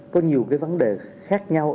có nhiều vấn đề khác nhau